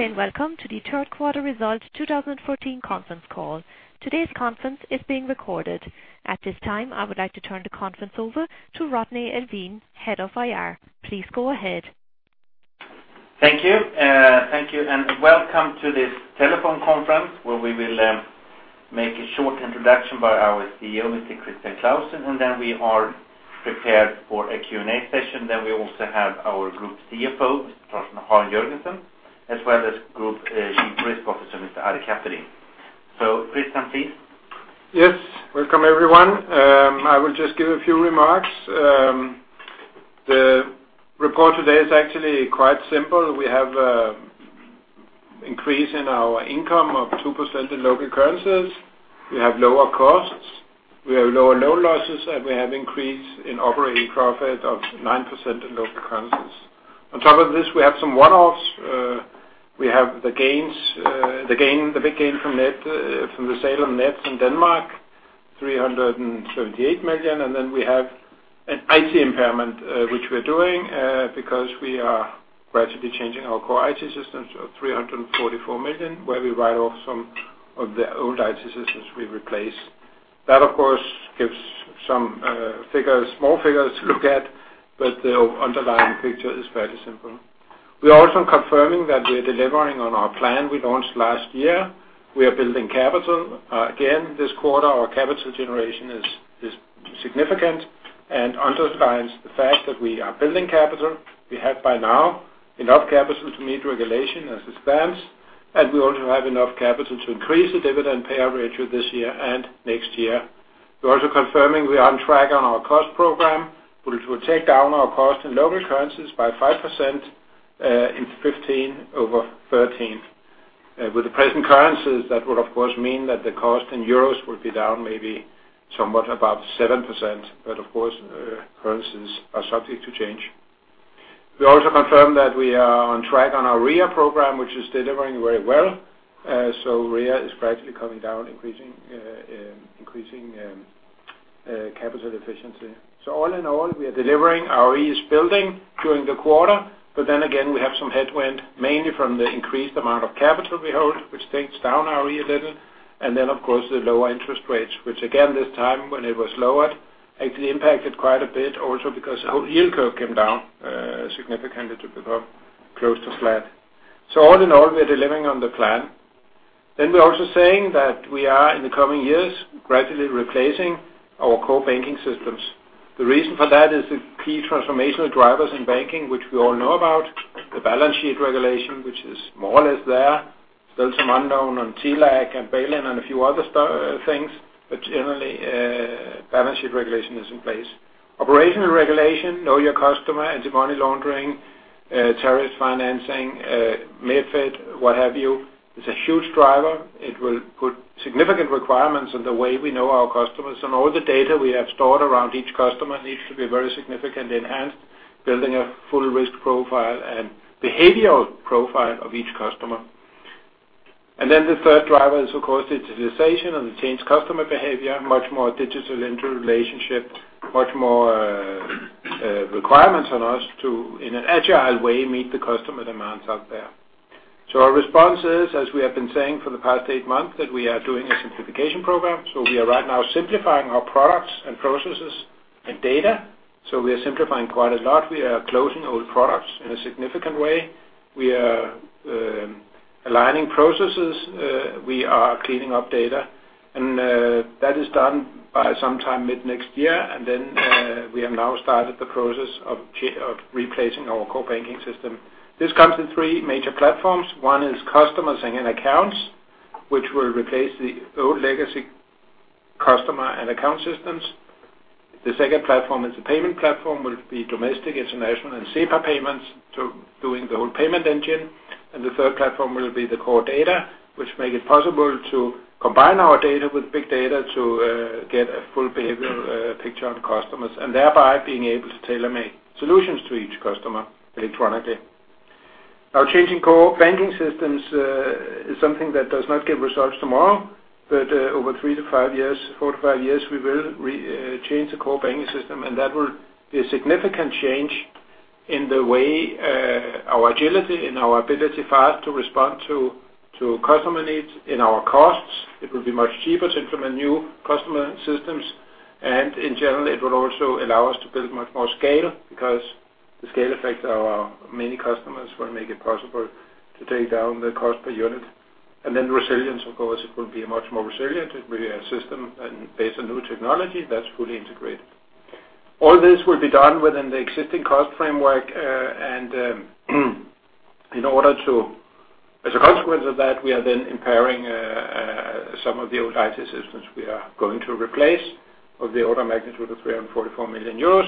Good day. Welcome to the third quarter results 2014 conference call. Today's conference is being recorded. At this time, I would like to turn the conference over to Rodney Alfvén, head of IR. Please go ahead. Thank you. Thank you. Welcome to this telephone conference where we will make a short introduction by our CEO, Mr. Christian Clausen. We are prepared for a Q&A session. We also have our group CFO, Torsten Jørgensen, as well as group chief risk officer, Mr. Ari Kaperi. Christian, please. Yes. Welcome everyone. I will just give a few remarks. The report today is actually quite simple. We have increase in our income of 2% in local currencies. We have lower costs. We have lower loan losses. We have increase in operating profit of 9% in local currencies. On top of this, we have some one-offs. We have the big gain from the sale of Nets in Denmark, 378 million. We have an IT impairment, which we are doing because we are gradually changing our core IT systems of 344 million, where we write off some of the old IT systems we replace. That of course gives some small figures to look at, but the underlying picture is fairly simple. We are also confirming that we are delivering on our plan we launched last year. We are building capital. Again, this quarter our capital generation is significant, underlines the fact that we are building capital. We have by now enough capital to meet regulation as it stands. We also have enough capital to increase the dividend payout ratio this year and next year. We're also confirming we are on track on our cost program, which will take down our cost in local currencies by 5% in 2015 over 2013. With the present currencies, that will of course mean that the cost in euros will be down maybe somewhat above 7%, but of course, currencies are subject to change. We also confirm that we are on track on our RWA program, which is delivering very well. RWA is gradually coming down, increasing capital efficiency. All in all, we are delivering. ROE is building during the quarter. Then again, we have some headwind, mainly from the increased amount of capital we hold, which takes down ROE a little. Of course the lower interest rates, which again, this time when it was lowered, actually impacted quite a bit also because the whole yield curve came down significantly to become close to flat. All in all, we are delivering on the plan. We're also saying that we are in the coming years gradually replacing our core banking systems. The reason for that is the key transformational drivers in banking, which we all know about, the balance sheet regulation, which is more or less there, still some unknown on TLAC and bail-in and a few other things. Generally, balance sheet regulation is in place. Operational regulation, know your customer, anti-money laundering, terrorist financing, MiFID, what have you, is a huge driver. It will put significant requirements on the way we know our customers and all the data we have stored around each customer needs to be very significantly enhanced, building a full risk profile and behavioral profile of each customer. The third driver is of course digitization and the changed customer behavior, much more digital into relationship, much more requirements on us to, in an agile way, meet the customer demands out there. Our response is, as we have been saying for the past eight months, that we are doing a simplification program. We are right now simplifying our products and processes and data. We are simplifying quite a lot. We are closing old products in a significant way. We are aligning processes. We are cleaning up data. That is done by sometime mid next year. We have now started the process of replacing our core banking system. This comes in three major platforms. One is customers and accounts, which will replace the old legacy customer and account systems. The second platform is the payment platform, will be domestic, international, and SEPA payments, so doing the whole payment engine. The third platform will be the core data, which make it possible to combine our data with big data to get a full behavioral picture of the customers, and thereby being able to tailor make solutions to each customer electronically. Changing core banking systems is something that does not give results tomorrow, but over three to five years, four to five years, we will change the core banking system, and that will be a significant change in the way our agility, in our ability for us to respond to customer needs in our costs. It will be much cheaper to implement new customer systems. In general, it will also allow us to build much more scale because the scale effects our many customers will make it possible to take down the cost per unit. Resilience, of course, it will be a much more resilient system and based on new technology that's fully integrated. All this will be done within the existing cost framework. As a consequence of that, we are then impairing some of the old IT systems we are going to replace of the order magnitude of 344 million euros,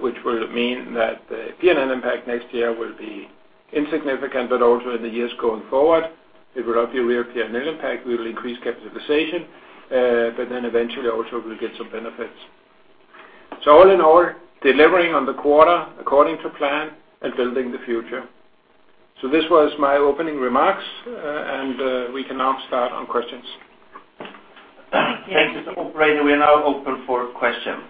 which will mean that the P&L impact next year will be insignificant. But also in the years going forward, it will not be a real P&L impact. We will increase capitalization, but then eventually also we will get some benefits. All in all, delivering on the quarter according to plan and building the future. This was my opening remarks, and we can now start on questions. Thank you. Operator, we are now open for questions.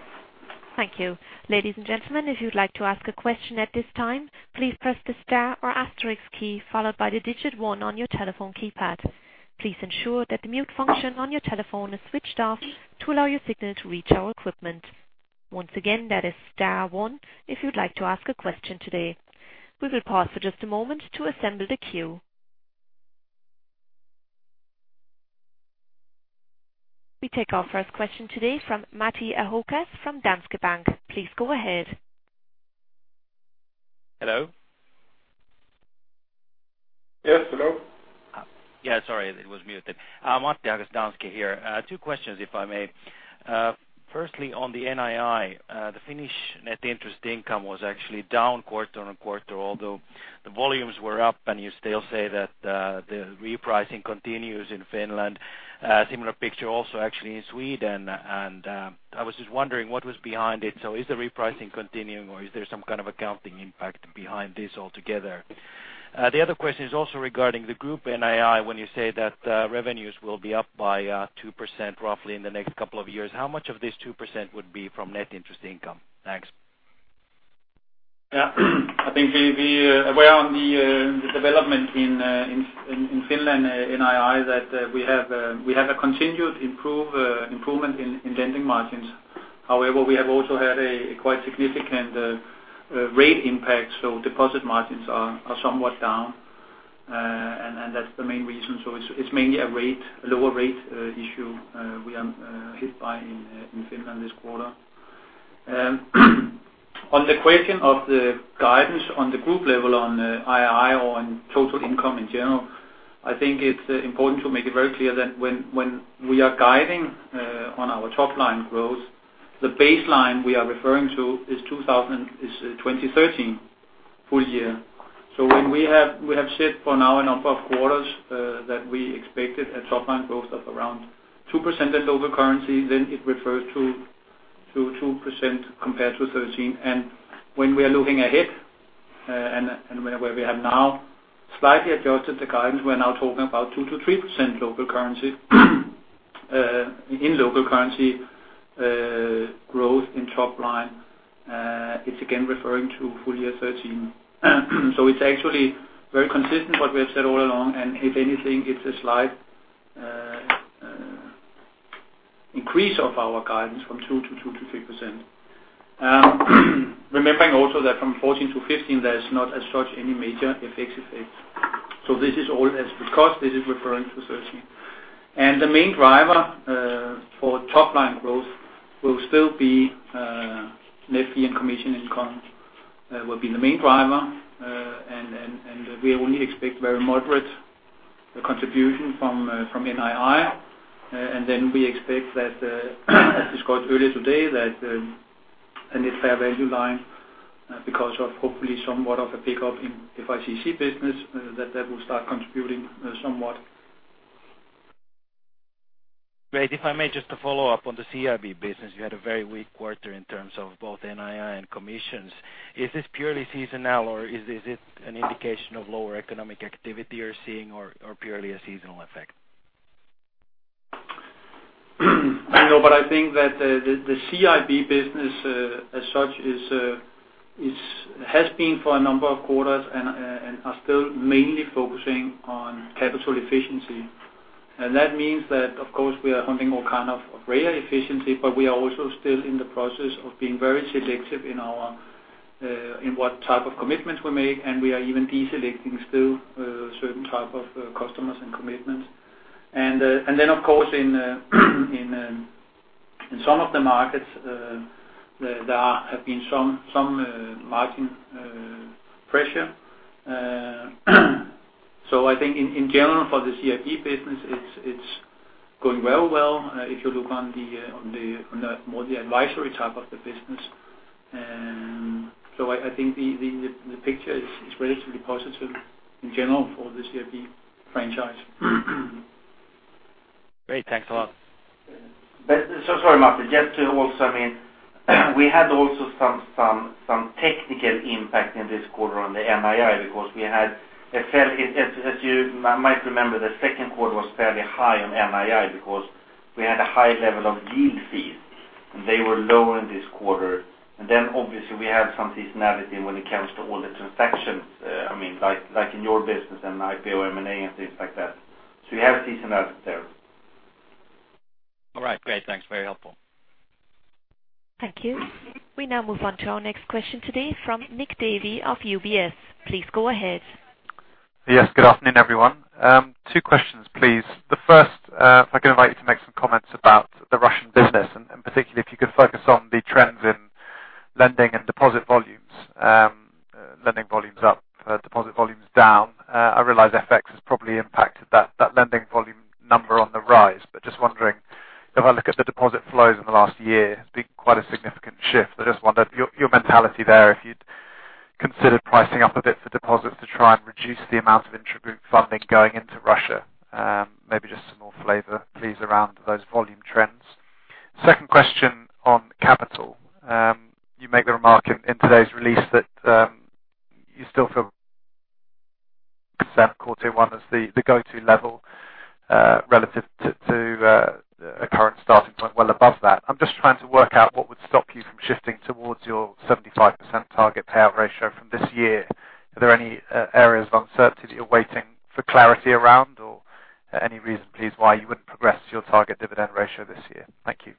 Thank you. Ladies and gentlemen, if you would like to ask a question at this time, please press the star or asterisk key followed by the digit 1 on your telephone keypad. Please ensure that the mute function on your telephone is switched off to allow your signal to reach our equipment. Once again, that is star 1 if you would like to ask a question today. We will pause for just a moment to assemble the queue. We take our first question today from Matti Ahokas from Danske Bank. Please go ahead. Hello? Yes, hello. Yeah, sorry, it was muted. Matti Ahokas, Danske Bank here. Two questions, if I may. Firstly, on the NII, the Finnish net interest income was actually down quarter-on-quarter, although the volumes were up and you still say that the repricing continues in Finland. Similar picture also actually in Sweden. I was just wondering what was behind it. Is the repricing continuing or is there some kind of accounting impact behind this altogether? The other question is also regarding the group NII, when you say that revenues will be up by 2% roughly in the next couple of years, how much of this 2% would be from net interest income? Thanks. Yeah. I think we are aware on the development in Finland NII that we have a continued improvement in lending margins. However, we have also had a quite significant rate impact, deposit margins are somewhat down. That's the main reason. It's mainly a lower rate issue we are hit by in Finland this quarter. On the question of the guidance on the group level on NII or on total income in general, I think it's important to make it very clear that when we are guiding on our top-line growth, the baseline we are referring to is 2013 full year. When we have said for now a number of quarters that we expected a top-line growth of around 2% in local currency, then it refers to 2% compared to 2013. When we are looking ahead, and where we have now slightly adjusted the guidance, we're now talking about 2%-3% in local currency growth in top line. It's again referring to full year 2013. It's actually very consistent what we have said all along, and if anything, it's a slight increase of our guidance from 2% to 2%-3%. Remembering also that from 2014 to 2015, there is not as such any major FX effects. This is all as because this is referring to 2013. The main driver for top-line growth will still be net fee and commission income. That will be the main driver, and we only expect very moderate contribution from NII. We expect that, as discussed earlier today, that a net fair value line, because of hopefully somewhat of a pickup in FICC business, that that will start contributing somewhat. Great. If I may, just to follow up on the CIB business, you had a very weak quarter in terms of both NII and commissions. Is this purely seasonal or is this an indication of lower economic activity you're seeing or purely a seasonal effect? I think that the CIB business, as such, has been for a number of quarters and are still mainly focusing on capital efficiency. That means that, of course, we are hunting all kind of rare efficiency, but we are also still in the process of being very selective in what type of commitments we make, and we are even deselecting still certain type of customers and commitments. Of course in some of the markets, there have been some margin pressure. I think in general for the CIB business, it's going very well if you look on the more the advisory type of the business. I think the picture is relatively positive in general for the CIB franchise. Great. Thanks a lot. Sorry, Matti. Just to also, we had also some technical impact in this quarter on the NII because as you might remember, the second quarter was fairly high on NII because we had a high level of yield fees, and they were lower this quarter. Obviously we have some seasonality when it comes to all the transactions, like in your business and IPO, M&A, and things like that. We have seasonality there. All right. Great. Thanks. Very helpful. Thank you. We now move on to our next question today from Nick Davey of UBS. Please go ahead. Good afternoon, everyone. Two questions, please. The first, if I can invite you to make some comments about the Russian business, and particularly if you could focus on the trends in lending and deposit volumes. Lending volumes up, deposit volumes down. I realize FX has probably impacted that lending volume number on the rise, but just wondering if I look at the deposit flows in the last year, there's been quite a significant shift. I just wondered your mentality there, if you'd considered pricing up a bit for deposits to try and reduce the amount of intragroup funding going into Russia. Maybe just some more flavor, please, around those volume trends. Second question on capital. You make the remark in today's release that you still feel percent quarter one as the go-to level relative to a current starting point well above that. I'm just trying to work out what would stop you from shifting towards your 75% target payout ratio from this year. Are there any areas of uncertainty that you're waiting for clarity around? Any reason, please, why you wouldn't progress your target dividend ratio this year? Thank you.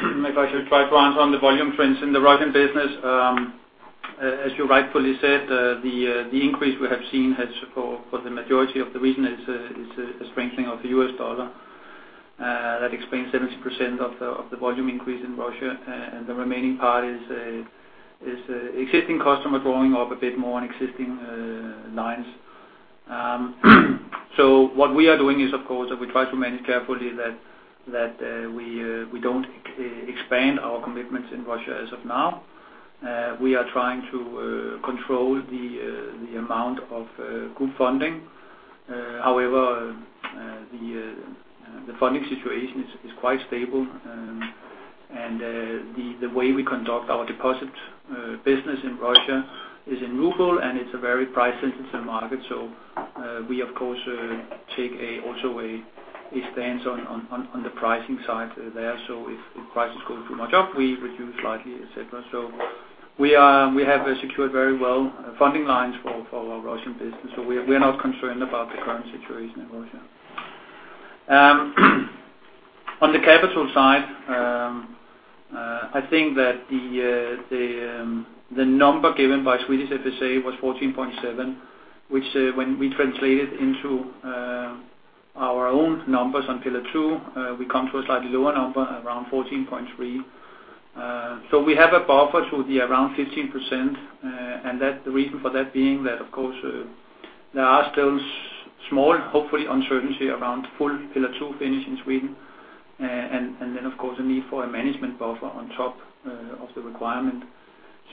If I should try to answer on the volume trends in the Russian business. As you rightfully said, the increase we have seen for the majority of the reason is the strengthening of the US dollar. That explains 70% of the volume increase in Russia, and the remaining part is existing customer drawing up a bit more on existing lines. What we are doing is, of course, that we don't expand our commitments in Russia as of now. We are trying to control the amount of group funding. However, the funding situation is quite stable, and the way we conduct our deposit business in Russia is in ruble, and it's a very price-sensitive market, so we, of course, take also a stance on the pricing side there. If prices go too much up, we reduce slightly, et cetera. We have secured very well funding lines for our Russian business. We're not concerned about the current situation in Russia. On the capital side, I think that the number given by Swedish FSA was 14.7, which, when we translate it into our own numbers on Pillar 2, we come to a slightly lower number, around 14.3. We have a buffer to the around 15%, and the reason for that being that, of course, there are still small, hopefully, uncertainty around full Pillar 2 finish in Sweden. Of course, the need for a management buffer on top of the requirement.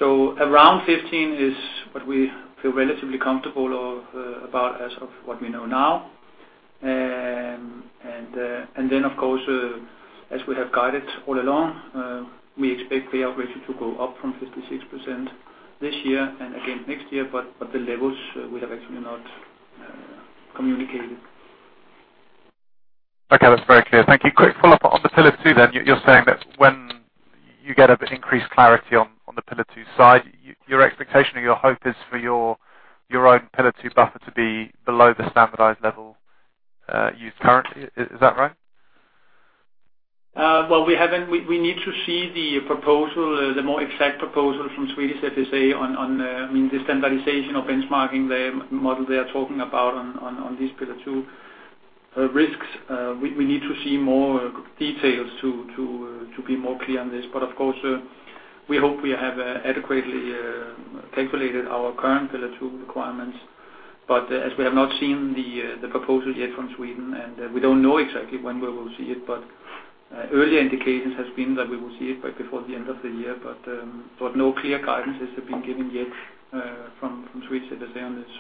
Around 15 is what we feel relatively comfortable about as of what we know now. Of course, as we have guided all along, we expect payout ratio to go up from 56% this year and again next year, but the levels we have actually not communicated. Okay. That's very clear. Thank you. Quick follow-up on the Pillar 2 then. You're saying that when you get increased clarity on the Pillar 2 side, your expectation or your hope is for your own Pillar 2 buffer to be below the standardized level used currently. Is that right? Well, we need to see the more exact proposal from Swedish FSA on the standardization of benchmarking model they are talking about on these Pillar 2 risks. We need to see more details to be more clear on this. Of course, we hope we have adequately calculated our current Pillar 2 requirements. As we have not seen the proposal yet from Sweden, and we don't know exactly when we will see it, early indications has been that we will see it before the end of the year, no clear guidance has been given yet from Swedish FSA on this.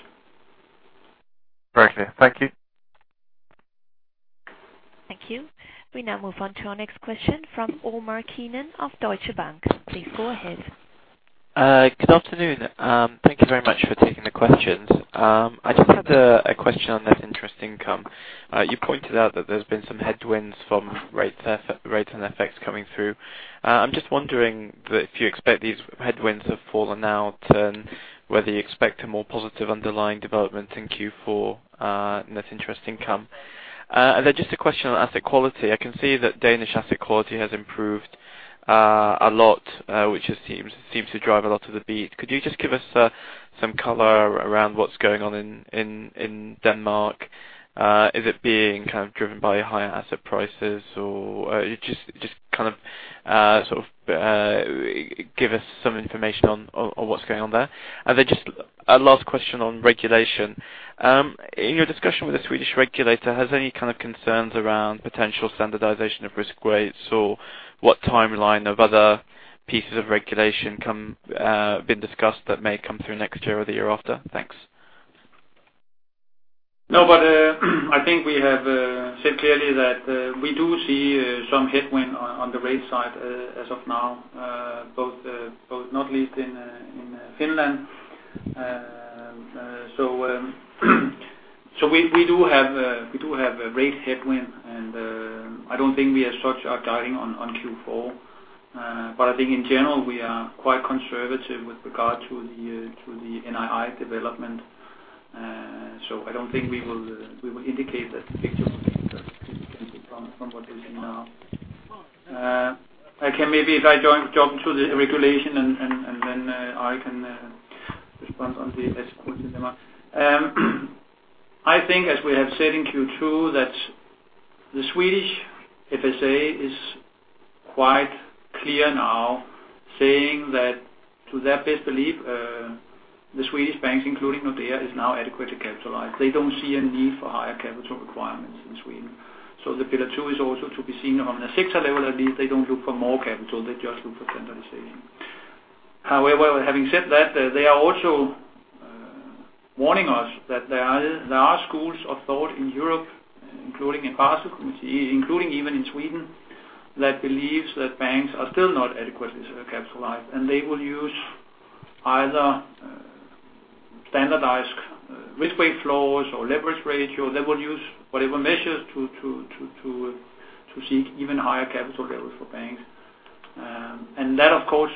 Very clear. Thank you. Thank you. We now move on to our next question from Omar Keenan of Deutsche Bank. Please go ahead. Good afternoon. Thank you very much for taking the questions. I just had a question on net interest income. You pointed out that there's been some headwinds from rates and effects coming through. I'm just wondering if you expect these headwinds have fallen out and whether you expect a more positive underlying development in Q4 net interest income. Just a question on asset quality. I can see that Danish asset quality has improved a lot, which seems to drive a lot of the beat. Could you just give us some color around what's going on in Denmark? Is it being kind of driven by higher asset prices? Just kind of give us some information on what's going on there. Just a last question on regulation. In your discussion with the Swedish regulator, has any kind of concerns around potential standardization of risk weights, or what timeline of other pieces of regulation been discussed that may come through next year or the year after? Thanks. No, I think we have said clearly that we do see some headwind on the rate side as of now, both not least in Finland. We do have a rate headwind, I don't think we as such are guiding on Q4. I think in general we are quite conservative with regard to the NII development. I don't think we will indicate that the picture will change from what we see now. I can maybe if I jump to the regulation, then I can respond on the asset quality demand. I think as we have said in Q2, that the Swedish FSA is quite clear now, saying that to their best belief, the Swedish banks, including Nordea, is now adequately capitalized. They don't see any need for higher capital requirements in Sweden. The Pillar 2 is also to be seen on a sector level. At least they don't look for more capital, they just look for standardization. Having said that, they are also warning us that there are schools of thought in Europe, including even in Sweden, that believes that banks are still not adequately capitalized, they will use either standardized risk weight floors or leverage ratio. They will use whatever measures to seek even higher capital levels for banks. That, of course,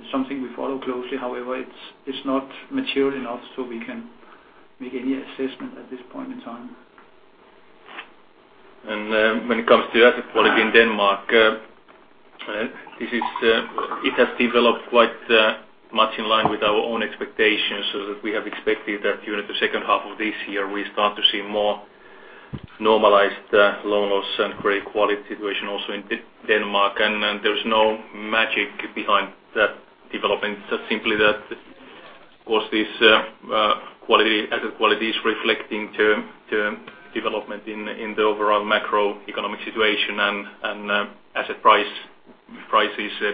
is something we follow closely. It's not mature enough, so we can't make any assessment at this point in time. When it comes to asset quality in Denmark, it has developed quite much in line with our own expectations. That we have expected that during the second half of this year, we start to see more normalized loan loss and credit quality situation also in Denmark, there's no magic behind that development. It's just simply that, of course, this asset quality is reflecting to development in the overall macroeconomic situation and asset prices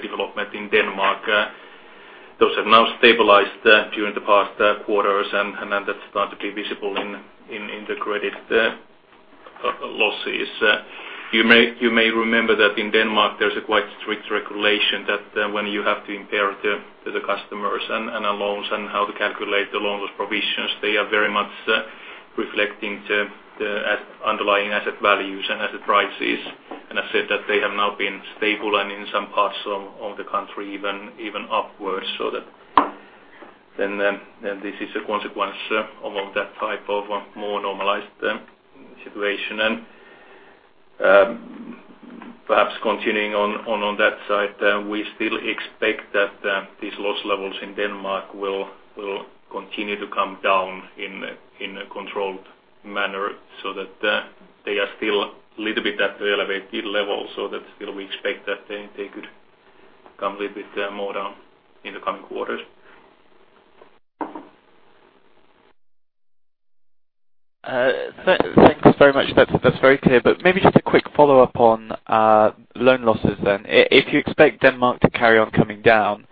development in Denmark. Those have now stabilized during the past quarters, and that's starting to be visible in the credit losses. You may remember that in Denmark, there's a quite strict regulation that when you have to impair to the customers and loans and how to calculate the loan loss provisions, they are very much reflecting the underlying asset values and asset prices. I said that they have now been stable and in some parts of the country, even upwards, this is a consequence of that type of more normalized situation. Perhaps continuing on that side, we still expect that these loss levels in Denmark will continue to come down in a controlled manner, they are still a little bit at the elevated level, still we expect that they could come a little bit more down in the coming quarters. Thanks very much. That's very clear. Maybe just a quick follow-up on loan losses then. If you expect Denmark to carry on coming down,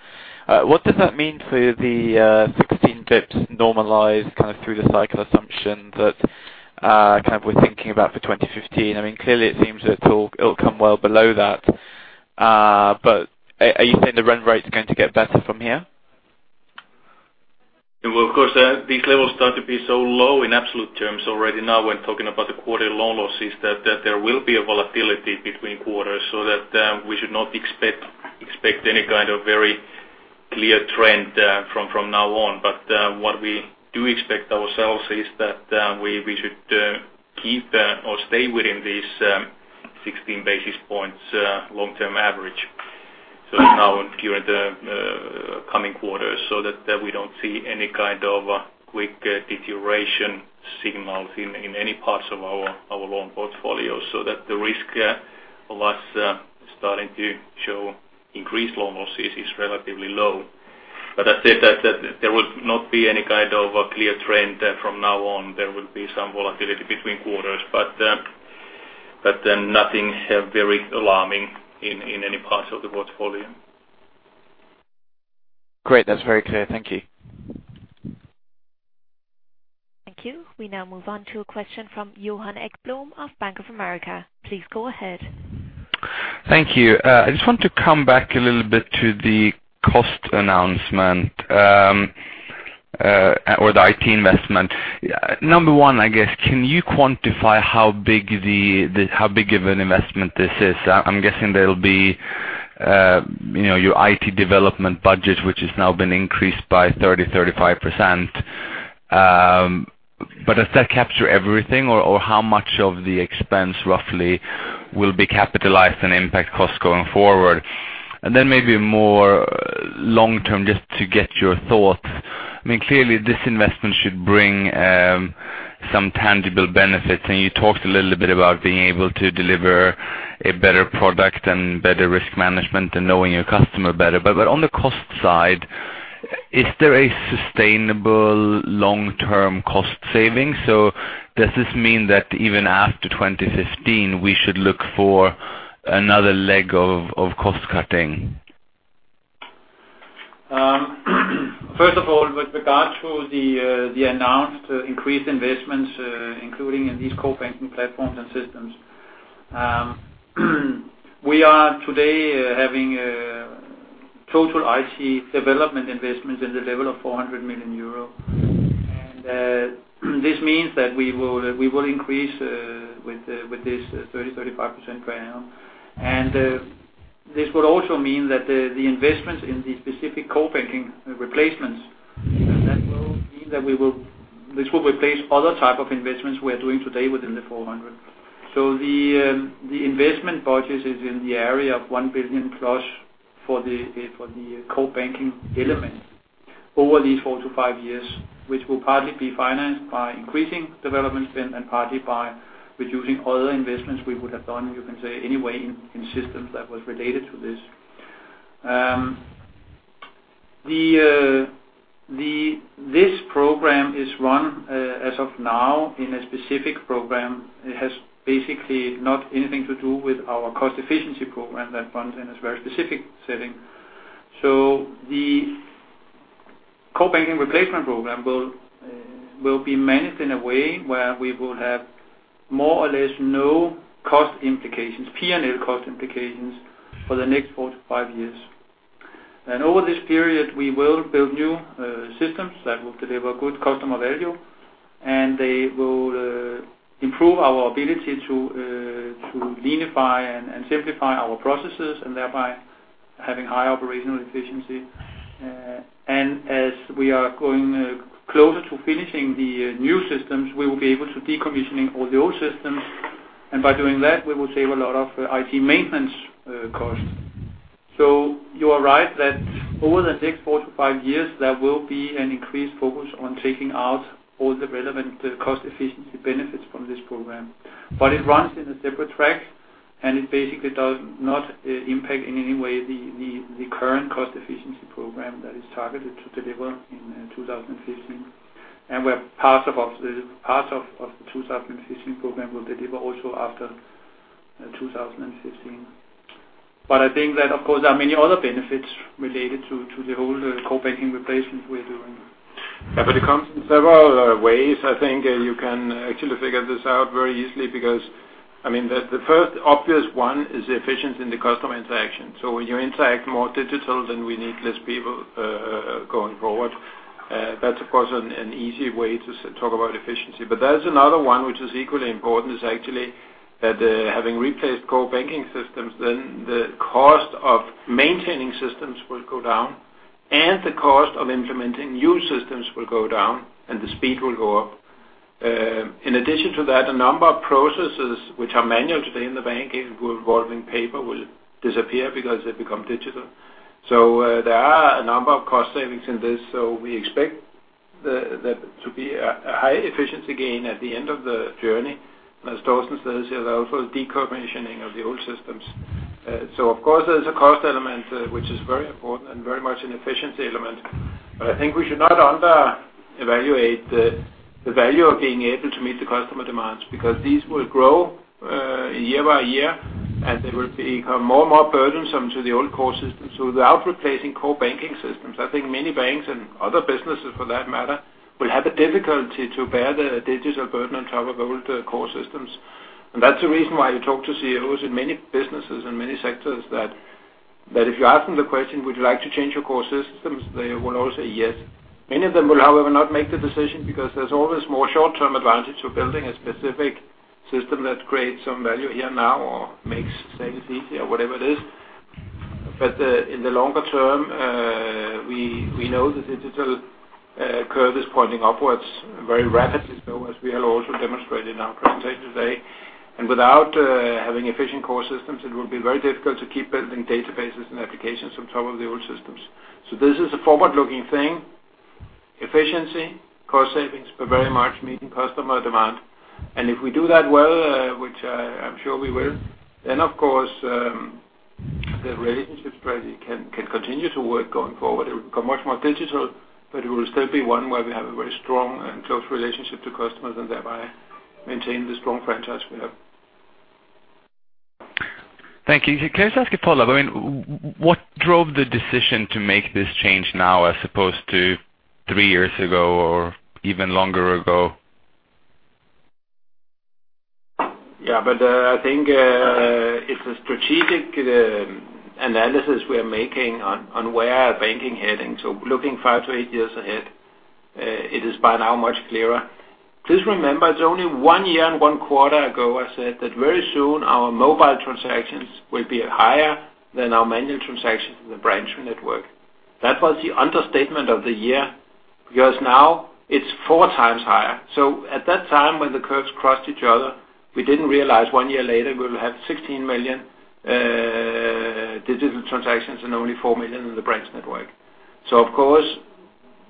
what does that mean for the 16 basis points normalized, kind of through the cycle assumption that kind of we're thinking about for 2015? Clearly it seems that it'll come well below that. Are you saying the run rate's going to get better from here? Of course, these levels start to be so low in absolute terms already now when talking about the quarterly loan losses, that there will be a volatility between quarters, we should not expect any kind of very clear trend from now on. What we do expect ourselves is that we should keep or stay within this 16 basis points long-term average. Now and during the coming quarters, we don't see any kind of quick deterioration signals in any parts of our loan portfolio, the risk of us starting to show increased loan losses is relatively low. As I said, there will not be any kind of a clear trend from now on. There will be some volatility between quarters, nothing very alarming in any parts of the portfolio. Great. That's very clear. Thank you. Thank you. We now move on to a question from Johan Ekblom of Bank of America. Please go ahead. Thank you. I just want to come back a little bit to the cost announcement or the IT investment. Number 1, I guess, can you quantify how big of an investment this is? I am guessing there will be your IT development budget, which has now been increased by 30%-35%. Does that capture everything or how much of the expense roughly will be capitalized and impact cost going forward? Maybe more long-term just to get your thoughts. Clearly this investment should bring some tangible benefits, and you talked a little bit about being able to deliver a better product and better risk management and know your customer better. On the cost side, is there a sustainable long-term cost saving? Does this mean that even after 2015, we should look for another leg of cost cutting? First of all, with regards to the announced increased investments, including in these core-banking platforms and systems. We are today having total IT development investments in the level of 400 million euro. This means that we will increase with this 30%-35% right now. This would also mean that the investments in the specific core-banking replacements, that will mean that this will replace other type of investments we are doing today within the 400. The investment budget is in the area of 1 billion plus for the core-banking element over these four to five years, which will partly be financed by increasing development spend and partly by reducing other investments we would have done, you can say, anyway in systems that was related to this. This program is run as of now in a specific program. It has basically not anything to do with our cost efficiency program that runs in a very specific setting. The Core banking replacement program will be managed in a way where we will have more or less no cost implications, P&L cost implications for the next four to five years. Over this period, we will build new systems that will deliver good customer value, and they will improve our ability to unify and simplify our processes, and thereby having higher operational efficiency. As we are going closer to finishing the new systems, we will be able to decommissioning all the old systems. By doing that, we will save a lot of IT maintenance costs. You are right that over the next four to five years, there will be an increased focus on taking out all the relevant cost efficiency benefits from this program. It runs in a separate track, it basically does not impact in any way the current cost efficiency program that is targeted to deliver in 2015. Where parts of the 2015 program will deliver also after 2015. I think that, of course, there are many other benefits related to the whole core banking replacement we're doing. It comes in several ways. I think you can actually figure this out very easily because, the first obvious one is efficient in the customer interaction. When you interact more digital, then we need less people going forward. That's of course an easy way to talk about efficiency. There's another one which is equally important, is actually that having replaced core banking systems, the cost of maintaining systems will go down, the cost of implementing new systems will go down, and the speed will go up. In addition to that, a number of processes which are manual today in the bank involving paper will disappear because they become digital. There are a number of cost savings in this. We expect that to be a high efficiency gain at the end of the journey. As Torsten says here, also decommissioning of the old systems. Of course there's a cost element, which is very important and very much an efficiency element. I think we should not undervalue the value of being able to meet the customer demands because these will grow year by year, and they will become more and more burdensome to the old core system. Without replacing core banking systems, I think many banks and other businesses for that matter, will have a difficulty to bear the digital burden on top of old core systems. That's the reason why you talk to CEOs in many businesses and many sectors that if you ask them the question, would you like to change your core systems? They will all say yes. Many of them will, however, not make the decision because there's always more short-term advantage to building a specific system that creates some value here now or makes things easy or whatever it is. In the longer term, we know the digital curve is pointing upwards very rapidly. As we have also demonstrated in our presentation today, without having efficient core systems, it will be very difficult to keep building databases and applications on top of the old systems. This is a forward-looking thing. Efficiency, cost savings, very much meeting customer demand. If we do that well, which I'm sure we will, of course, the relationship strategy can continue to work going forward. It will become much more digital, but it will still be one where we have a very strong and close relationship to customers and thereby maintain the strong franchise we have. Thank you. Can I just ask a follow-up? What drove the decision to make this change now as opposed to three years ago or even longer ago? I think it's a strategic analysis we are making on where banking is heading. Looking five to eight years ahead, it is by now much clearer. Please remember, it's only one year and one quarter ago, I said that very soon our mobile transactions will be higher than our manual transactions in the branch network. That was the understatement of the year, because now it's four times higher. At that time, when the curves crossed each other, we didn't realize one year later we'll have 16 million digital transactions and only 4 million in the branch network. Of course,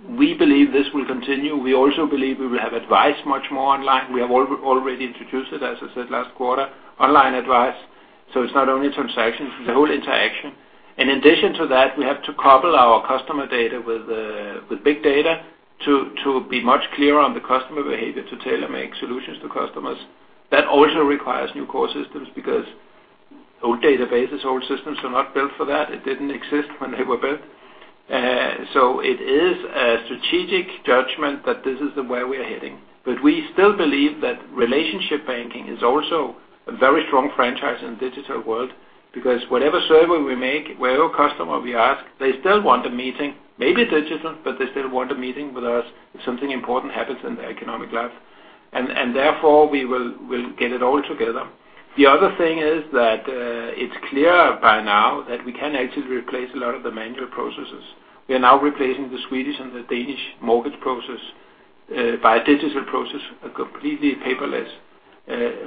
we believe this will continue. We also believe we will have advice much more online. We have already introduced it, as I said, last quarter, online advice. It's not only transactions, it's the whole interaction. In addition to that, we have to couple our customer data with big data to be much clearer on the customer behavior to tailor-make solutions to customers. That also requires new core systems because old databases, old systems are not built for that. It didn't exist when they were built. It is a strategic judgment that this is where we are heading. We still believe that relationship banking is also a very strong franchise in digital world, because whatever survey we make, where we ask customers, they still want a meeting, maybe digital, but they still want a meeting with us if something important happens in the economic life. Therefore, we'll get it all together. The other thing is that it's clear by now that we can actually replace a lot of the manual processes. We are now replacing the Swedish and the Danish mortgage process by a digital process, completely paperless,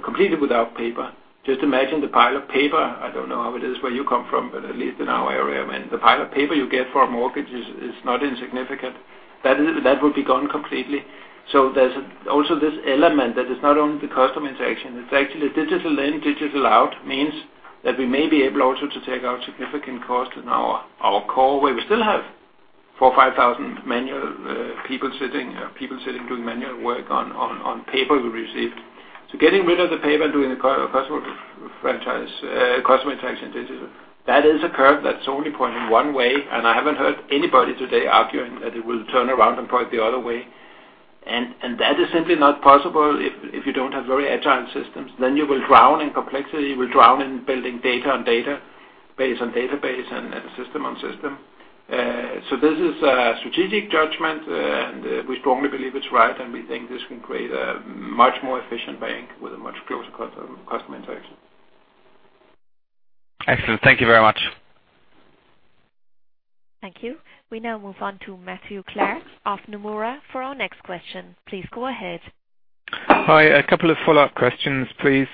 completely without paper. Just imagine the pile of paper. I don't know how it is where you come from, but at least in our area, when the pile of paper you get for a mortgage is not insignificant. That will be gone completely. There's also this element that is not only the customer interaction, it's actually digital in, digital out means that we may be able also to take out significant cost in our core, where we still have 4,000 or 5,000 manual people sitting doing manual work on paper we received. Getting rid of the paper and doing the customer interaction digitally, that is a curve that's only pointing one way, and I haven't heard anybody today arguing that it will turn around and point the other way. That is simply not possible if you don't have very agile systems. You will drown in complexity, you will drown in building data on data, base on database, and system on system. This is a strategic judgment, and we strongly believe it's right, and we think this can create a much more efficient bank with a much closer customer interaction. Excellent. Thank you very much. Thank you. We now move on to Matthew Clark of Nomura for our next question. Please go ahead. Hi. A couple of follow-up questions, please.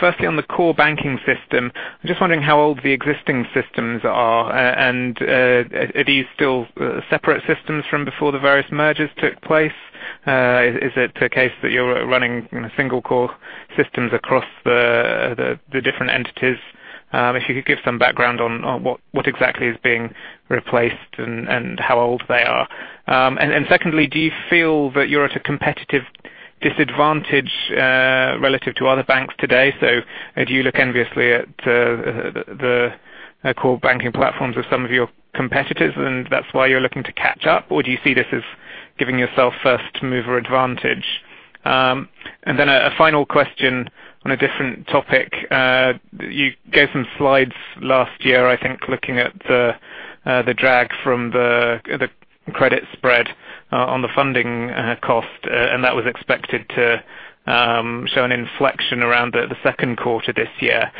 Firstly, on the core banking system, I'm just wondering how old the existing systems are. Are these still separate systems from before the various mergers took place? Is it the case that you're running single-core systems across the different entities? If you could give some background on what exactly is being replaced and how old they are. Secondly, do you feel that you're at a competitive disadvantage relative to other banks today? Do you look enviously at the core banking platforms of some of your competitors and that's why you're looking to catch up? Or do you see this as giving yourself first-to-mover advantage? Then a final question on a different topic. Maybe a few comments. You gave some slides last year, I think, looking at the drag from the credit spread on the funding cost, and that was expected to show an inflection around the second quarter this year.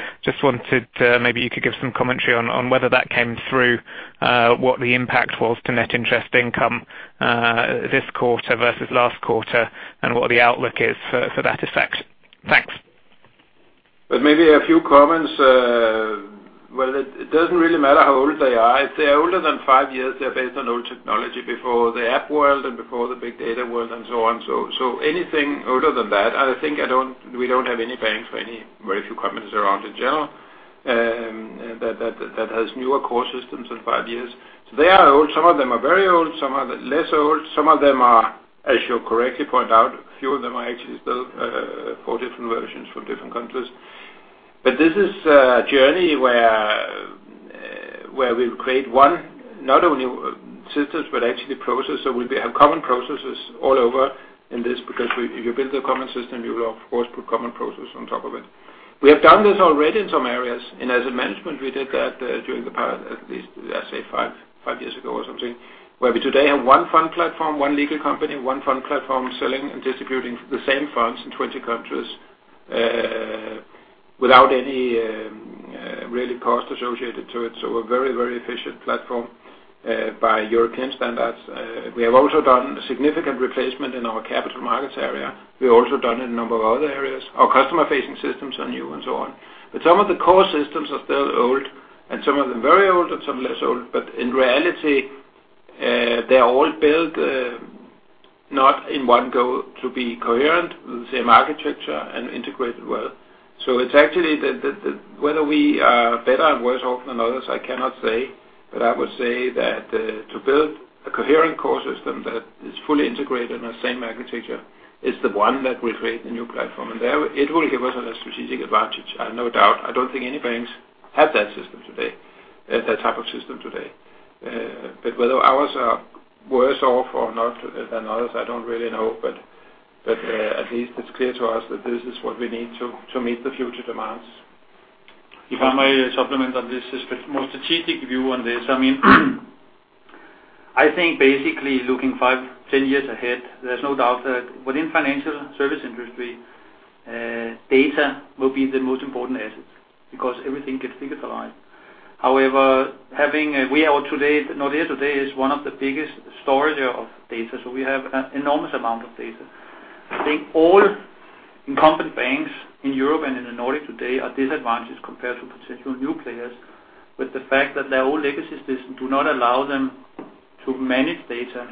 Maybe you could give some commentary on whether that came through, what the impact was to net interest income this quarter versus last quarter, and what the outlook is for that effect. Thanks. Maybe a few comments. Well, it doesn't really matter how old they are. If they are older than five years, they're based on old technology before the app world and before the big data world and so on. Anything older than that, I think we don't have any banks or any very few companies around in general that has newer core systems than five years. They are old. Some of them are very old, some are less old. Some of them are, as you correctly point out, a few of them are actually still four different versions for different countries. This is a journey where we'll create one, not only systems, but actually processes. We have common processes all over in this because if you build a common system, you will of course put common process on top of it. We have done this already in some areas. As a management, we did that during the past, at least, I'd say five years ago or something, where we today have one fund platform, one legal company, one fund platform selling and distributing the same funds in 20 countries without any really cost associated to it. A very efficient platform by European standards. We have also done a significant replacement in our capital markets area. We've also done it in a number of other areas. Our customer-facing systems are new and so on. Some of the core systems are still old, and some of them very old and some less old. In reality, they're all built not in one go to be coherent with the same architecture and integrated well. It's actually whether we are better or worse off than others, I cannot say. I would say that to build a coherent core system that is fully integrated in the same architecture is the one that will create the new platform. It will give us a strategic advantage. No doubt. I don't think any banks have that type of system today. Whether ours are worse off or not than others, I don't really know. At least it's clear to us that this is what we need to meet the future demands. If I may supplement on this, a more strategic view on this. I think basically looking five, 10 years ahead, there's no doubt that within financial service industry, data will be the most important asset because everything gets digitalized. However, Nordea today is one of the biggest storage of data. We have an enormous amount of data. I think all incumbent banks in Europe and in the Nordic today are disadvantaged compared to potential new players with the fact that their old legacy systems do not allow them to manage data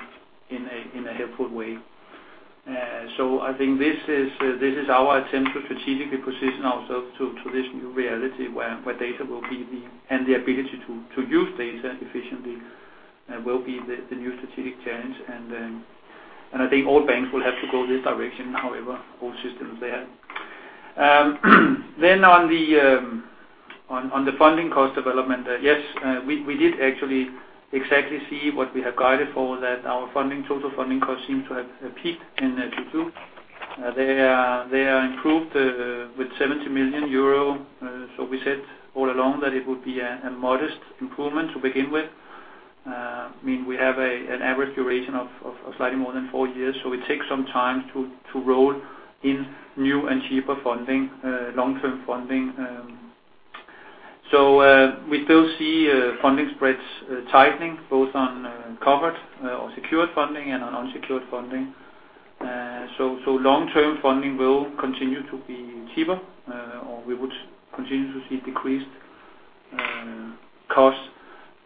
in a helpful way. I think this is our attempt to strategically position ourselves to this new reality where data and the ability to use data efficiently will be the new strategic challenge. I think all banks will have to go this direction, however, old systems they have. On the funding cost development, yes, we did actually exactly see what we have guided for, that our total funding cost seems to have peaked in Q2. They are improved with 70 million euro. We said all along that it would be a modest improvement to begin with. We have an average duration of slightly more than four years. It takes some time to roll in new and cheaper funding, long-term funding. We still see funding spreads tightening both on covered or secured funding and on unsecured funding. Long-term funding will continue to be cheaper, or we would continue to see decreased costs.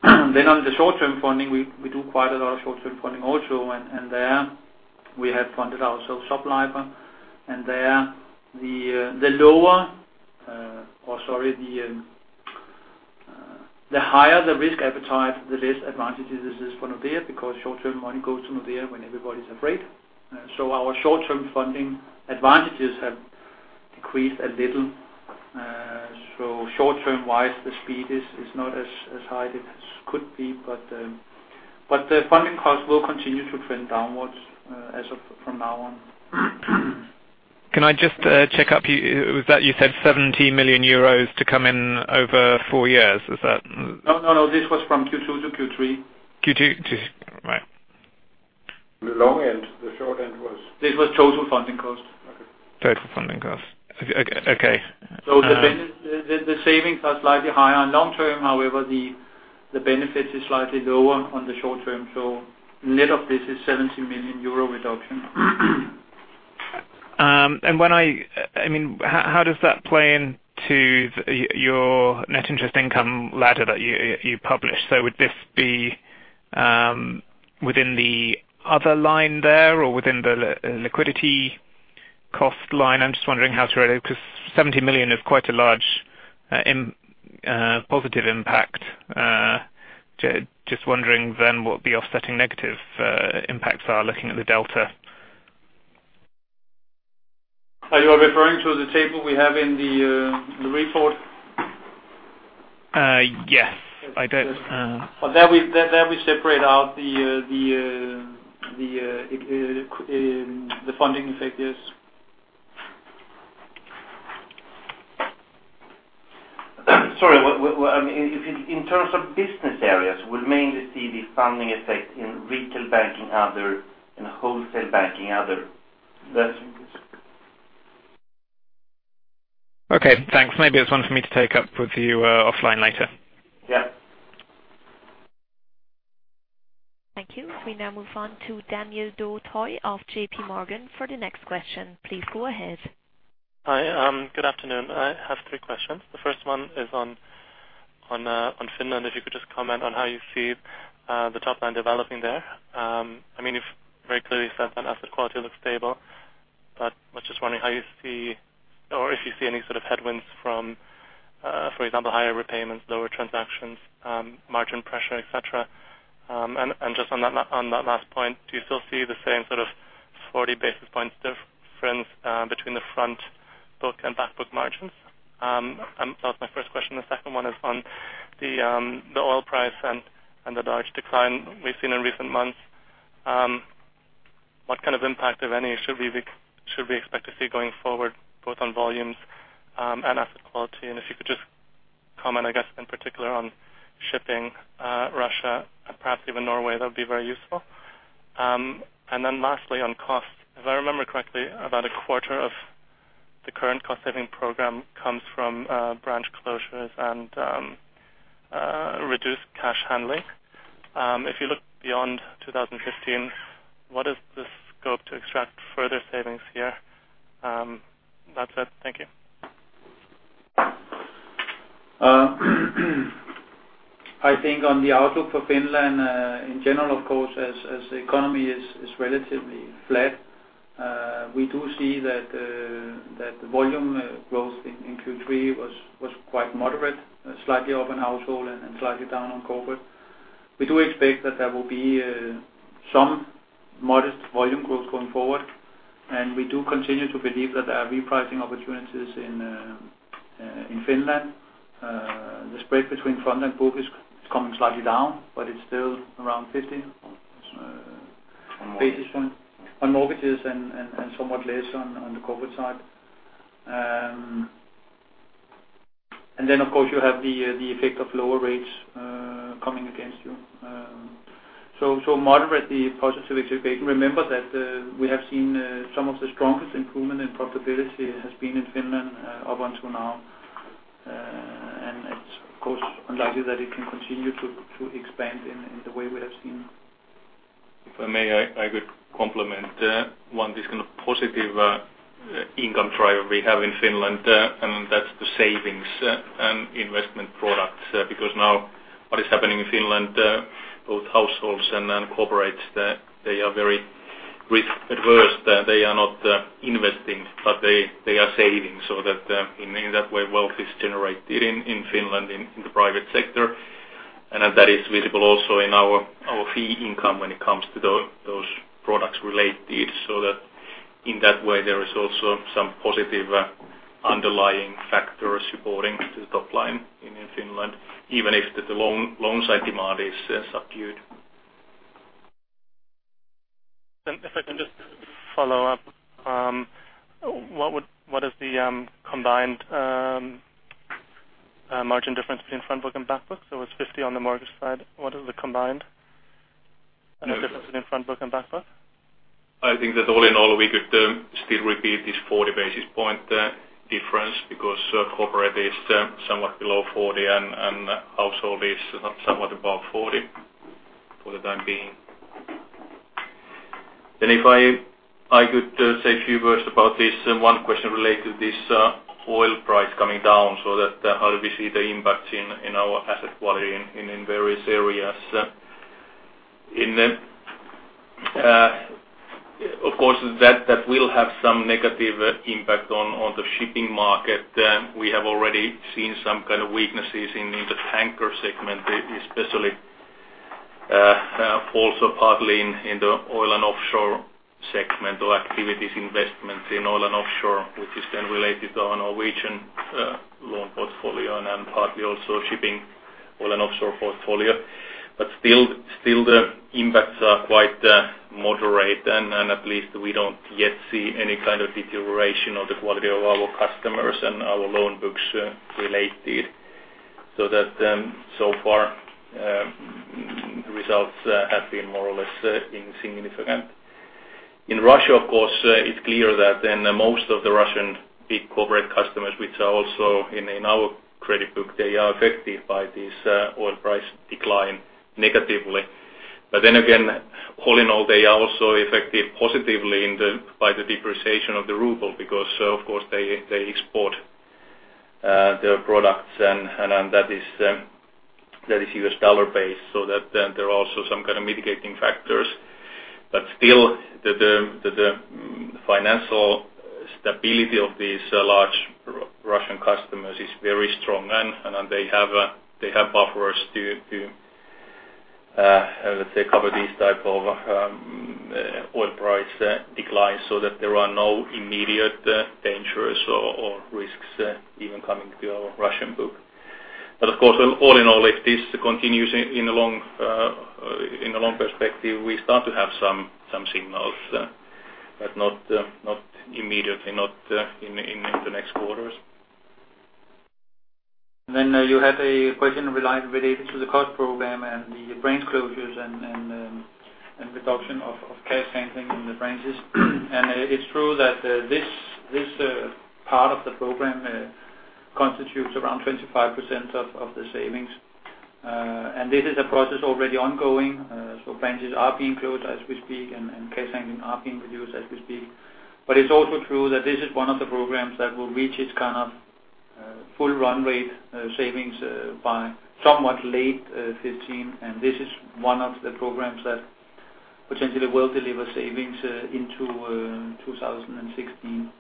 On the short-term funding, we do quite a lot of short-term funding also, and there we have funded ourselves up lighter. There, the lower or, sorry, the- The higher the risk appetite, the less advantageous this is for Nordea because short-term money goes to Nordea when everybody's afraid. Our short-term funding advantages have decreased a little. Short-term wise, the speed is not as high as it could be, but the funding cost will continue to trend downwards as of from now on. Can I just check up? Was that you said 70 million euros to come in over four years? No, this was from Q2 to Q3. Q2. Right. The long end. The short end was? This was total funding cost. Okay. Total funding cost. Okay. The savings are slightly higher on long-term. However, the benefit is slightly lower on the short term. Net of this is 70 million euro reduction. How does that play into your Net Interest Income ladder that you publish? Would this be within the other line there or within the liquidity cost line? I'm just wondering how to read it, because 70 million is quite a large positive impact. Just wondering what the offsetting negative impacts are looking at the delta. Are you referring to the table we have in the report? Yes. There we separate out the funding figures. Sorry, in terms of business areas, we'll mainly see the funding effect in retail banking, other, and wholesale banking other. Okay, thanks. Maybe that's one for me to take up with you offline later. Yeah. Thank you. We now move on to Daniel Do-Thoi of JP Morgan for the next question. Please go ahead. Hi. Good afternoon. I have three questions. The first one is on Finland. If you could just comment on how you see the top line developing there. You've very clearly said that asset quality looks stable, but I was just wondering how you see or if you see any sort of headwinds from for example, higher repayments, lower transactions, margin pressure, et cetera. Just on that last point, do you still see the same sort of 40 basis points difference between the front book and back book margins? That was my first question. The second one is on the oil price and the large decline we've seen in recent months. What kind of impact, if any, should we expect to see going forward, both on volumes and asset quality? If you could just comment, I guess, in particular on shipping Russia and perhaps even Norway, that would be very useful. Lastly, on cost. If I remember correctly, about a quarter of the current cost saving program comes from branch closures and reduced cash handling. If you look beyond 2015, what is the scope to extract further savings here? That's it. Thank you. I think on the outlook for Finland, in general, of course, as the economy is relatively flat, we do see that the volume growth in Q3 was quite moderate, slightly up in household and slightly down on corporate. We do expect that there will be some modest volume growth going forward, and we do continue to believe that there are repricing opportunities in Finland. The spread between front-end book is coming slightly down, but it's still around 50 basis points on mortgages and somewhat less on the corporate side. Then of course, you have the effect of lower rates coming against you. Moderately positive expectation. Remember that we have seen some of the strongest improvement in profitability has been in Finland up until now. It's of course unlikely that it can continue to expand in the way we have seen. If I may, I could complement one, this kind of positive income driver we have in Finland, and that's the savings and investment products. Now what is happening in Finland both households and corporates, they are very risk-averse. They are not investing, but they are saving. In that way, wealth is generated in Finland in the private sector. That is visible also in our fee income when it comes to those products related, so that in that way, there is also some positive underlying factors supporting the top line in Finland, even if the loan side demand is subdued. If I can just follow up. What is the combined margin difference between front book and back book? It's 50 on the mortgage side. What is the combined difference between front book and back book? I think that all in all, we could still repeat this 40 basis points difference because corporate is somewhat below 40 and household is somewhat above 40 for the time being. If I could say a few words about this one question related to this oil price coming down, how do we see the impact in our asset quality in various areas? Of course, that will have some negative impact on the shipping market. We have already seen some kind of weaknesses in the tanker segment, especially. Also partly in the oil and offshore segment or activities, investments in oil and offshore, which is then related to our Norwegian loan portfolio and partly also shipping oil and offshore portfolio. Still the impacts are quite moderate and at least we don't yet see any kind of deterioration of the quality of our customers and our loan books related. So far results have been more or less insignificant. In Russia, of course, it's clear that most of the Russian big corporate customers, which are also in our credit book, they are affected by this oil price decline negatively. Then again, all in all, they are also affected positively by the depreciation of the ruble, because, of course, they export their products and that is US dollar based, there are also some kind of mitigating factors. Still the financial stability of these large Russian customers is very strong, and they have buffers to, let's say, cover these type of oil price declines. There are no immediate dangers or risks even coming to our Russian book. Of course, all in all, if this continues in a long perspective, we start to have some signals. Not immediately, not in the next quarters. You had a question related to the cost program and the branch closures and reduction of cash handling in the branches. It's true that this part of the program constitutes around 25% of the savings. This is a process already ongoing, branches are being closed as we speak, and cash handling are being reduced as we speak. It's also true that this is one of the programs that will reach its kind of full run rate savings by somewhat late 2015. This is one of the programs that potentially will deliver savings into 2016.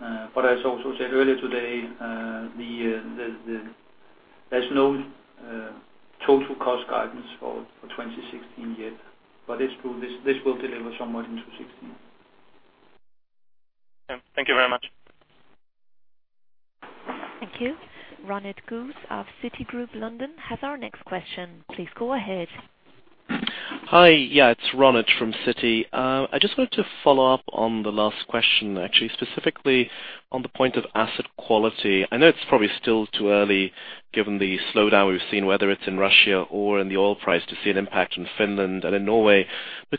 As I also said earlier today, there's no total cost guidance for 2016 yet. It's true, this will deliver somewhat in 2016. Okay. Thank you very much. Thank you. Ronit Ghose of Citigroup, London, has our next question. Please go ahead. Hi. Yeah, it's Ronit from Citigroup. I just wanted to follow up on the last question, actually, specifically on the point of asset quality. I know it's probably still too early, given the slowdown we've seen, whether it's in Russia or in the oil price to see an impact in Finland and in Norway.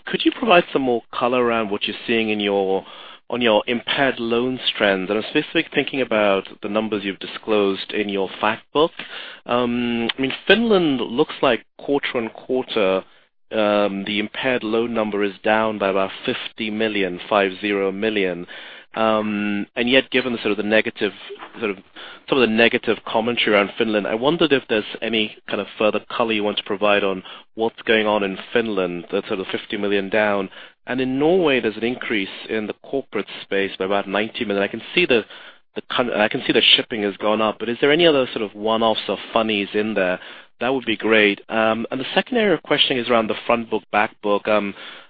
Could you provide some more color around what you're seeing on your impaired loans trends? I'm specifically thinking about the numbers you've disclosed in your fact book. Finland looks like quarter-on-quarter the impaired loan number is down by about 50 million. Yet, given some of the negative commentary around Finland, I wondered if there's any kind of further color you want to provide on what's going on in Finland, that sort of 50 million down. In Norway, there's an increase in the corporate space by about 90 million. I can see the shipping has gone up, is there any other sort of one-offs or funnies in there? That would be great. The second area of questioning is around the front book, back book.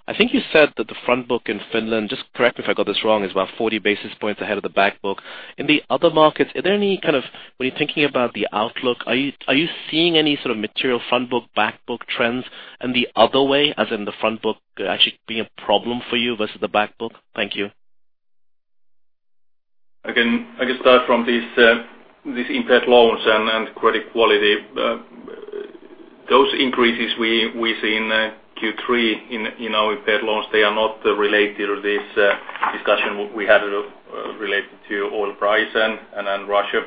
I think you said that the front book in Finland, just correct me if I got this wrong, is about 40 basis points ahead of the back book. In the other markets, are there any kind of, when you're thinking about the outlook, are you seeing any sort of material front book, back book trends in the other way, as in the front book actually being a problem for you versus the back book? Thank you. I can start from these impaired loans and credit quality. Those increases we see in Q3 in our impaired loans, they are not related to this discussion we had related to oil price and Russia.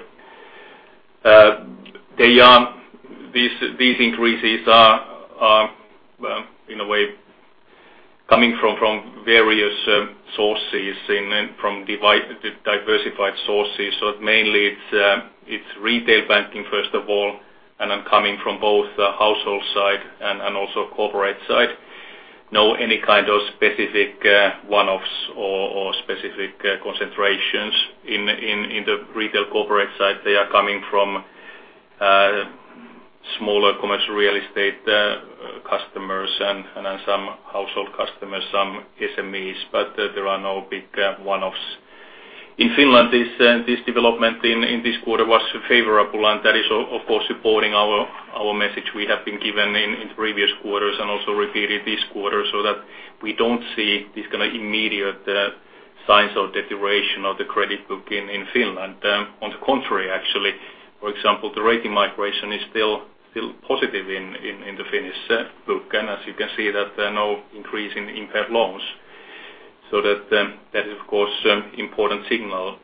These increases are, in a way, coming from various sources and from diversified sources. Mainly it's retail banking, first of all, coming from both the household side and also corporate side. No any kind of specific one-offs or specific concentrations in the retail corporate side. They are coming from smaller commercial real estate customers and some household customers, some SMEs, but there are no big one-offs. In Finland, this development in this quarter was favorable, that is, of course, supporting our message we have been given in previous quarters and also repeated this quarter so that we don't see this kind of immediate signs of deterioration of the credit book in Finland. On the contrary, actually, for example, the rating migration is still positive in the Finnish book. As you can see that there are no increase in impaired loans. That is, of course, important signal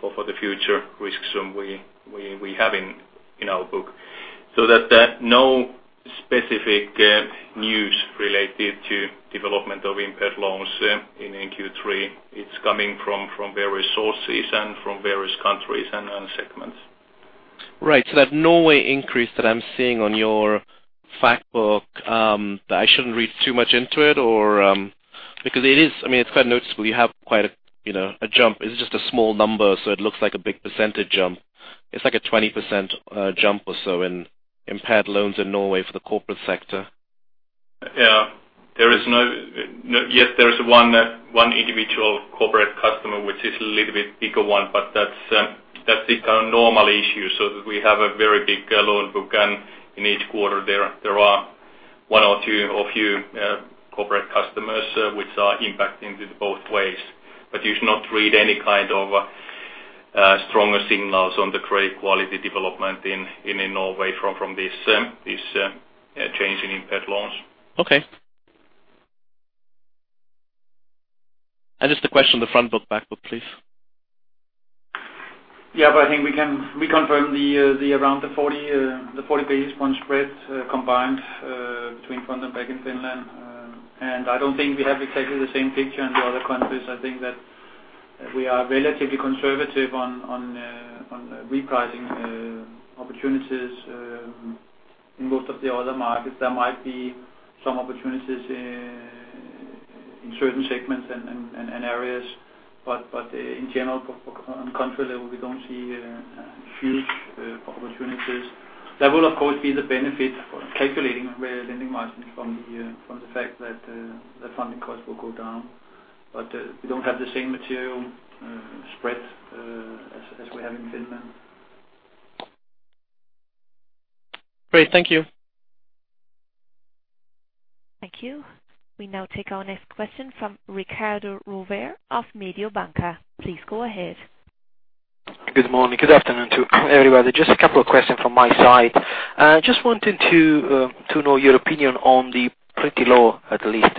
for the future risks we have in our book. There's no specific news related to development of impaired loans in Q3. It's coming from various sources and from various countries and segments. Right. That Norway increase that I'm seeing on your fact book, that I shouldn't read too much into it? Because it's quite noticeable. You have quite a jump. It's just a small number, so it looks like a big percentage jump. It's like a 20% jump or so in impaired loans in Norway for the corporate sector. Yes, there is one individual corporate customer, which is a little bit bigger one, but that's the kind of normal issue, so that we have a very big loan book, and in each quarter, there are one or two of your corporate customers which are impacting it both ways. You should not read any kind of stronger signals on the credit quality development in Norway from this change in impaired loans. Okay. Just a question on the front book, back book, please. Yeah. I think we confirm around the 40 basis point spread combined between front and back in Finland. I don't think we have exactly the same picture in the other countries. I think that we are relatively conservative on repricing opportunities in most of the other markets. There might be some opportunities in certain segments and areas. In general, on country level, we don't see huge opportunities. That will, of course, be the benefit for calculating lending margins from the fact that the funding cost will go down. We don't have the same material spread as we have in Finland. Great. Thank you. Thank you. We now take our next question from Riccardo Rovere of Mediobanca. Please go ahead. Good morning. Good afternoon to everybody. Just a couple of questions from my side. Just wanted to know your opinion on the pretty low, at least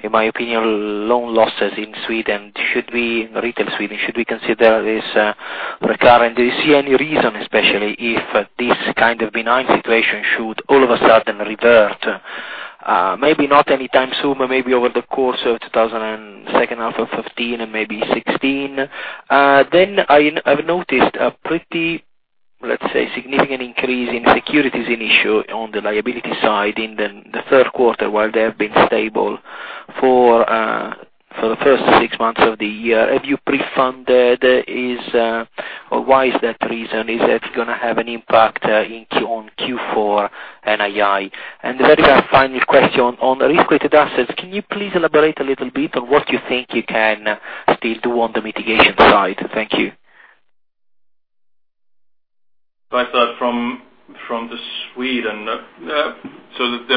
in my opinion, loan losses in retail Sweden. Should we consider this recurrent? Do you see any reason, especially if this kind of benign situation should all of a sudden revert? Maybe not anytime soon, but maybe over the course of second half of 2015 and maybe 2016. I've noticed a pretty, let's say, significant increase in securities in issue on the liability side in the third quarter, while they have been stable for the first six months of the year. Have you pre-funded? Why is that reason? Is that going to have an impact on Q4 NII? Very final question on risk-weighted assets, can you please elaborate a little bit on what you think you can still do on the mitigation side? Thank you. If I start from the Sweden.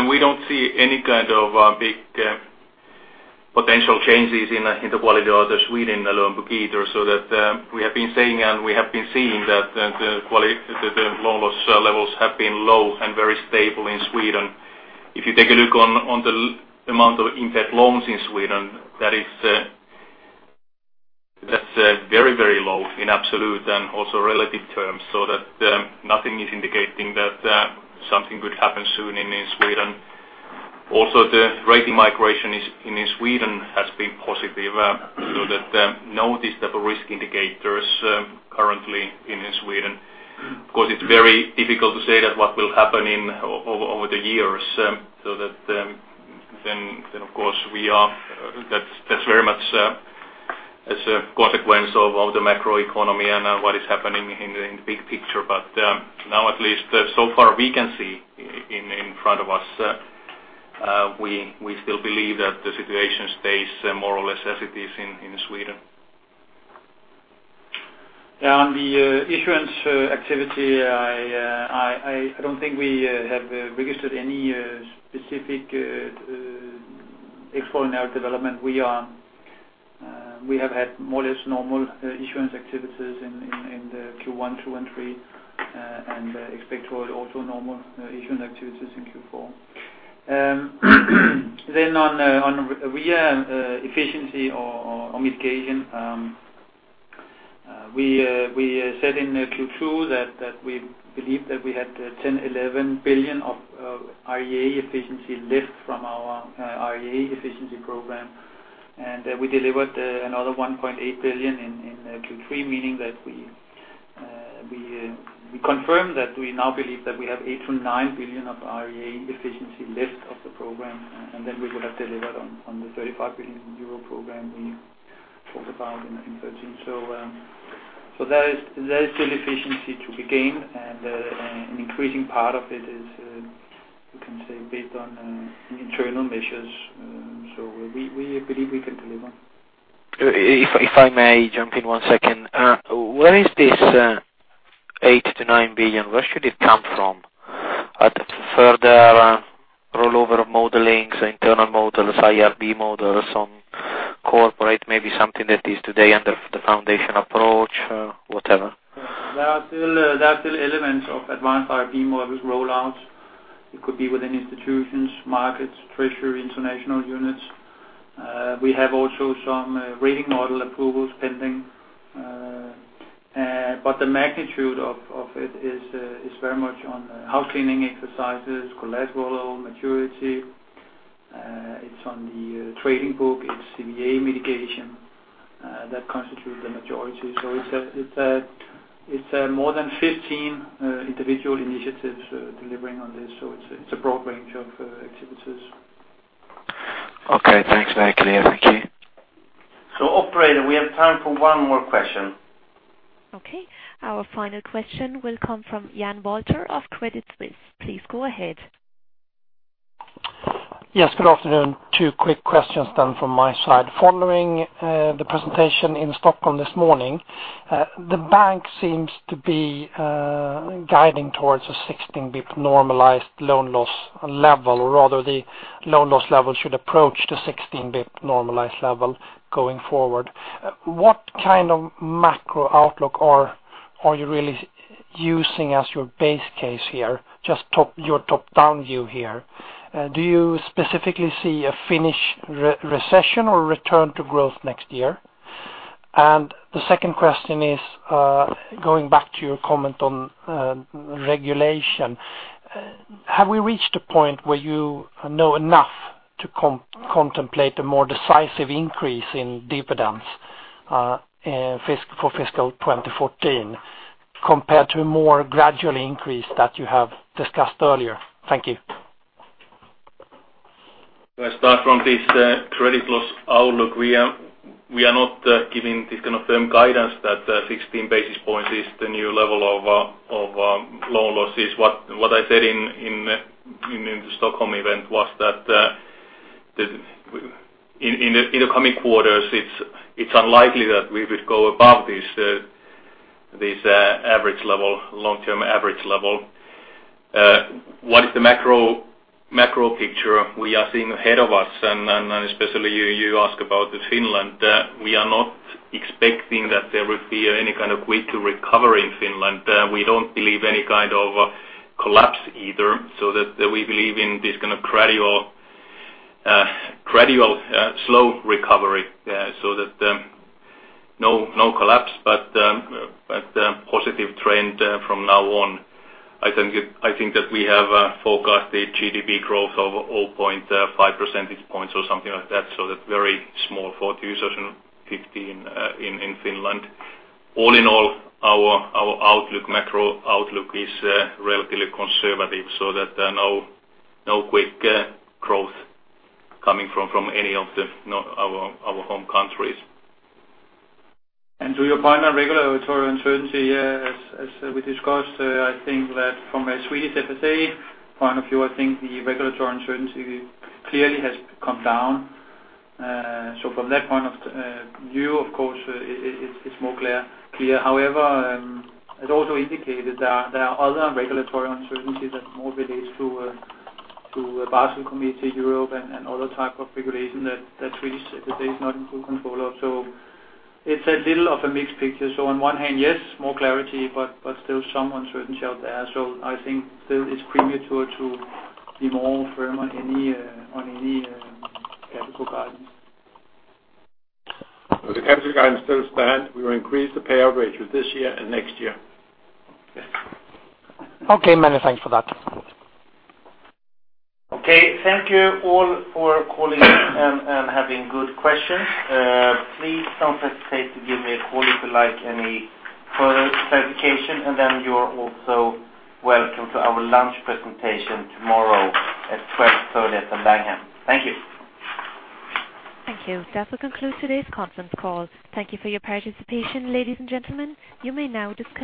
We don't see any kind of big potential changes in the quality of the Sweden loan book either, so that we have been saying, and we have been seeing that the loan loss levels have been low and very stable in Sweden. If you take a look on the amount of impaired loans in Sweden, that's very low in absolute and also relative terms, so that nothing is indicating that something could happen soon in Sweden. Also, the rating migration in Sweden has been positive, so that no visible risk indicators currently in Sweden. Of course, it's very difficult to say that what will happen over the years. Then, of course, that's very much as a consequence of the macroeconomy and what is happening in the big picture. Now at least so far we can see in front of us, we still believe that the situation stays more or less as it is in Sweden. On the issuance activity, I don't think we have registered any specific extraordinary development. We have had more or less normal issuance activities in the Q1, 2, and 3, and expect also normal issuance activities in Q4. Then on RWA efficiency or mitigation. We said in Q2 that we believe that we had 10, 11 billion of RWA efficiency left from our RWA efficiency program, and we delivered another 1.8 billion in Q3, meaning that we confirm that we now believe that we have 8 billion-9 billion of RWA efficiency left of the program, and then we would have delivered on the 35 billion euro program we talked about in 2013. There is still efficiency to be gained, and an increasing part of it is, you can say, based on internal measures. We believe we can deliver. If I may jump in one second. Where is this 8 billion-9 billion? Where should it come from? Further rollover modelings, internal models, IRB models on corporate, maybe something that is today under the foundation approach, whatever. There are still elements of advanced IRB models roll-outs. It could be within institutions, markets, treasury, international units. We have also some rating model approvals pending. The magnitude of it is very much on housecleaning exercises, collateral maturity. It's on the trading book, it's CVA mitigation that constitutes the majority. It's more than 15 individual initiatives delivering on this. It's a broad range of activities. Okay, thanks. Very clear. Thank you. Operator, we have time for one more question. Okay. Our final question will come from Jan Wolter of Credit Suisse. Please go ahead. Yes, good afternoon. Two quick questions from my side. Following the presentation in Stockholm this morning. The bank seems to be guiding towards a 16 basis points normalized loan loss level, or rather the loan loss level should approach the 16 basis points normalized level going forward. What kind of macro outlook are you really using as your base case here? Just your top-down view here. Do you specifically see a Finnish recession or return to growth next year? The second question is, going back to your comment on regulation. Have we reached a point where you know enough to contemplate a more decisive increase in dividends for fiscal 2014 compared to a more gradual increase that you have discussed earlier? Thank you. I start from this credit loss outlook. We are not giving this kind of firm guidance that 16 basis points is the new level of loan losses. What I said in the Stockholm event was that in the coming quarters, it's unlikely that we would go above this long-term average level. What is the macro picture we are seeing ahead of us, especially you ask about Finland. We are not expecting that there would be any kind of way to recover in Finland. We don't believe any kind of collapse either. We believe in this kind of gradual slow recovery. No collapse but positive trend from now on. I think that we have forecast the GDP growth of 0.5 percentage points or something like that. That's very small for 2015 in Finland. All in all, our macro outlook is relatively conservative. No quick growth coming from any of our home countries. To your point on regulatory uncertainty, as we discussed, I think that from a Swedish FSA point of view, I think the regulatory uncertainty clearly has come down. From that point of view, of course, it's more clear. However, as also indicated, there are other regulatory uncertainties that more relates to Basel Committee, Europe, and other type of regulation that Swedes today is not in full control of. It's a little of a mixed picture. On one hand, yes, more clarity, but still some uncertainty out there. I think still it's premature to be more firm on any capital guidance. Well, the capital guidance still stand. We will increase the payout ratio this year and next year. Okay, many thanks for that. Okay, thank you all for calling and having good questions. Please don't hesitate to give me a call if you like any further clarification, you're also welcome to our lunch presentation tomorrow at 12:30 at The Langham. Thank you. Thank you. That will conclude today's conference call. Thank you for your participation, ladies and gentlemen. You may now disconnect.